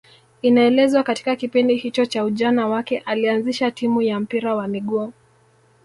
Inaelezwa katika kipindi hicho cha ujana wake alianzisha timu ya mpira wa miguu